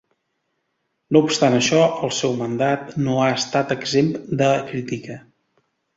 No obstant això, el seu mandat no ha estat exempt de crítica.